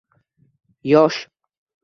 Yosh